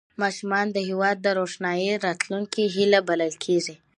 ماشومان د هېواد د روښانه راتلونکي هیله بلل کېږي